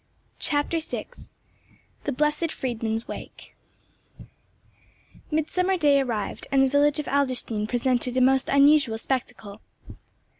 CHAPTER VI THE BLESSED FRIEDMUND'S WAKE MIDSUMMER DAY arrived, and the village of Adlerstein presented a most unusual spectacle.